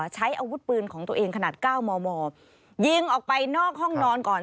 ใช้อาวุธปืนของตัวเองขนาด๙มมยิงออกไปนอกห้องนอนก่อน